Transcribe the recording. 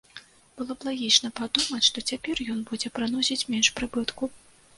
Было б лагічна падумаць, што цяпер ён будзе прыносіць менш прыбытку.